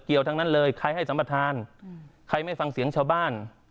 ทั้งนั้นเลยใครให้สัมประธานใครไม่ฟังเสียงชาวบ้าน